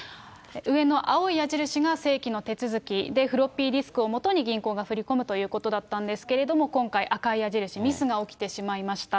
上の青い矢印が正規の手続き、フロッピーディスクをもとに銀行が振り込むということだったんですけれども、今回、赤い矢印、ミスが起きてしまいました。